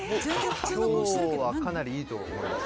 今日はかなりいいと思います